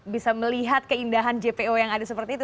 bisa melihat keindahan jpo yang ada seperti itu